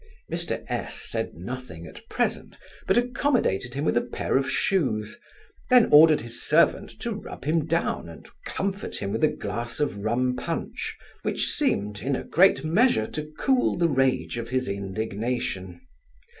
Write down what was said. Mr S said nothing at present, but accommodated him with a pair of shoes; then ordered his servant to rub him down, and comfort him with a glass of rum punch, which seemed, in a great measure, to cool the rage of his indignation.